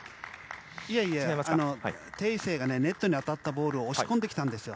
いや、テイ・イセイがネットに当たったボールを押し込んできたんですよ。